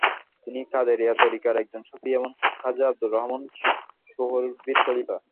তিনি কাদেরিয়া ত্বরিকার একজন সুফি এবং খাজা আবদুর রহমান চৌহরভীর খলিফা।